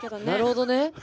なるほどね。